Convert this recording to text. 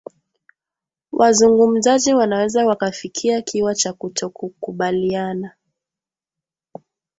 wazungumzaji wanaweza wakafikia kiwa cha kutokukubaliana